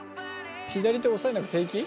左手押さえなくて平気？